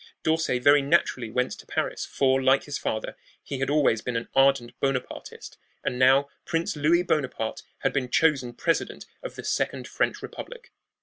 D'Orsay very naturally went to Paris, for, like his father, he had always been an ardent Bonapartist, and now Prince Louis Bonaparte had been chosen president of the Second French Republic.